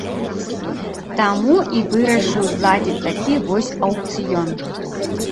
Таму і вырашыў зладзіць такі вось аўкцыён.